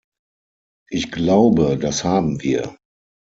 Ich glaube, das haben wir.